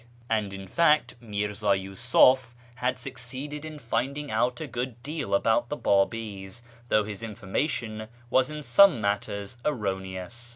And in fact Mirza Yusuf had succeeded in finding out a good deal about the Babi's, though his information was in some matters erroneous.